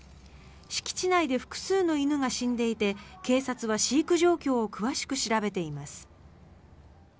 敷地内で複数の犬が死んでいて警察は飼育状況を詳しく調べています。